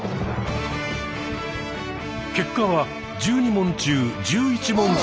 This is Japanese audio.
結果は１２問中１１問正解。